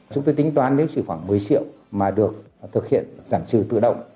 chúng tôi tính toán nếu chỉ khoảng một mươi triệu mà được thực hiện giảm trừ tự động